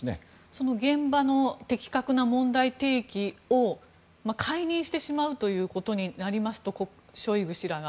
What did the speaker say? その現場の的確な問題提起を解任してしまうということになりますとショイグ氏らが。